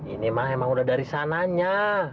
ini mah emang udah dari sananya